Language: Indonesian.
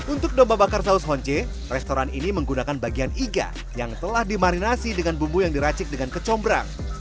untuk domba bakar saus honce restoran ini menggunakan bagian iga yang telah dimarinasi dengan bumbu yang diracik dengan kecombrang